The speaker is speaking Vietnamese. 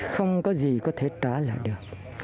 không có gì có thể trả lại được